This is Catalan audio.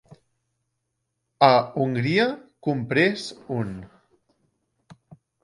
a Hongria comprés un